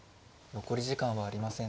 残り時間はありません。